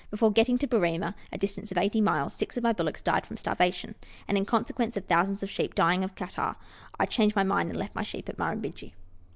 Before getting to Berrima, a distance of 80 miles, six of my bullocks died from starvation; and, in consequence of thousands of sheep dying of catarrh, I changed my mind and left my sheep at Murrumbidgee.